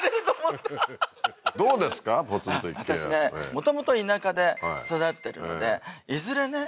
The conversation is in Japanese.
私ねもともと田舎で育ってるのでいずれね